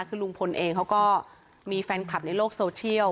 คือลุงพลเองเขาก็มีแฟนคลับในโลกโซเชียล